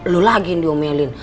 lo lagi yang diomelin